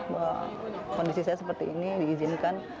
bahwa kondisi saya seperti ini diizinkan